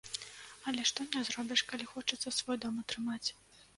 Але што не зробіш, калі хочацца свой дом атрымаць.